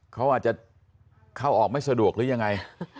เขาอาจจะเข้าออกไม่สะดวกหรือยังไง